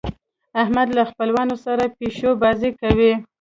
احمد له خپلوانو سره پيشو بازۍ کوي.